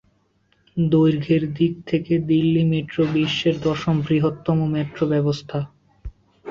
দৈর্ঘ্যের দিক থেকে দিল্লি মেট্রো বিশ্বের দশম বৃহত্তম মেট্রো ব্যবস্থা।